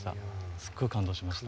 すごい感動しました。